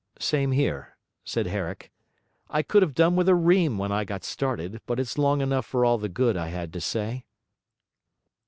'Same here,' said Herrick. 'I could have done with a ream when I got started; but it's long enough for all the good I had to say.'